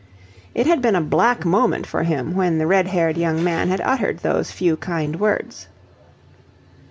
It had been a black moment for him when the red haired young man had uttered those few kind words.